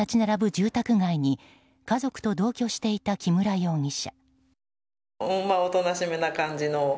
住宅街に家族と同居していた木村容疑者。